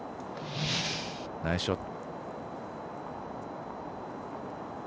ナイスショット。